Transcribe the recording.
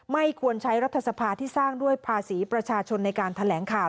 ไม่ควรใช้รัฐสภาที่สร้างด้วยภาษีประชาชนในการแถลงข่าว